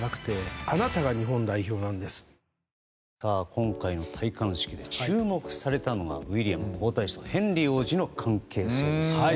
今回の戴冠式で注目されたのがウィリアム皇太子とヘンリー王子の関係性ですね。